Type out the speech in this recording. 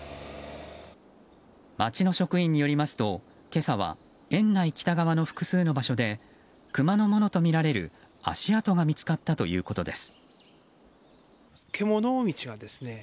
町の職員によりますと今朝は、園内北側の複数の場所でクマのものとみられる足跡が見つかったということです。